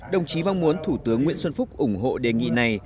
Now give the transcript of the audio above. đồng chí mong muốn thủ tướng nguyễn xuân phúc ủng hộ đề nghị này